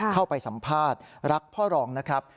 เข้าไปสัมภาษณ์รักพ่อรองนะครับ